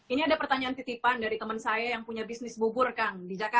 ini ada pertanyaan titipan dari teman saya yang punya bisnis bubur kang di jakarta